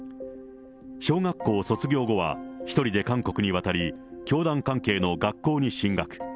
小学校卒業後は、１人で韓国に渡り、教団関係の学校に進学。